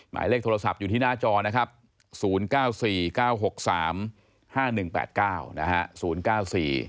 หมายเลขโทรศัพท์อยู่ที่หน้าจอนะครับ๐๙๔๙๖๓๕๑๘๙นะฮะ๐๙๔๙๖๓๕๑๘๙